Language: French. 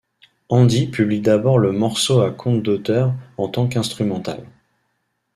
Handy publie d'abord le morceau à compte d'auteur en tant qu'instrumental.